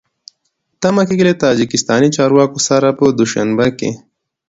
تمه کېږي له تاجکستاني چارواکو سره په دوشنبه کې